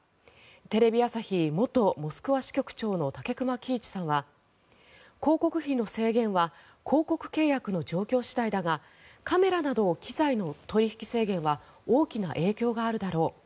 テレビ朝日元モスクワ支局長の武隈喜一さんは広告費の制限は広告契約の状況次第だがカメラなど機材の取引制限は大きな影響があるだろう